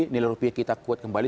nilai rupiah kita kuat kembali